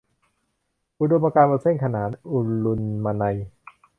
อุดมการณ์บนเส้นขนาน - อรุณมนัย